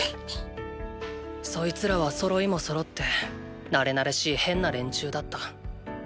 そいつらは揃いも揃って馴れ馴れしい変な連中だった。